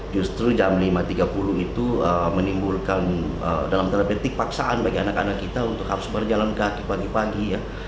justru jam lima tiga puluh itu menimbulkan dalam tanda petik paksaan bagi anak anak kita untuk harus berjalan kaki pagi pagi ya